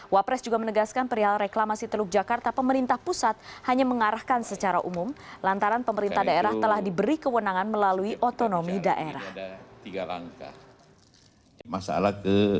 wapres juga menegaskan perihal reklamasi teluk jakarta pemerintah pusat hanya mengarahkan secara umum lantaran pemerintah daerah telah diberi kewenangan melalui otonomi daerah